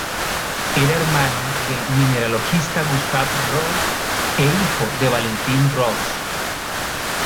Era hermano del mineralogista Gustav Rose e hijo de Valentín Rose.